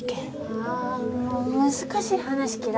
ああもう難しい話嫌い